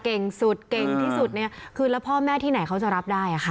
เก่งสุดเก่งที่สุดเนี่ยคือแล้วพ่อแม่ที่ไหนเขาจะรับได้ค่ะ